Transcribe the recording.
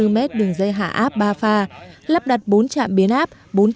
năm năm trăm sáu mươi bốn mét đường dây hạ áp ba pha lắp đặt bốn trạm biến áp